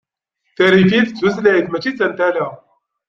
Tarifit d tutlayt mačči d tantala.